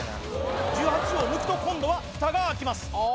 １８を抜くと今度はフタが開きます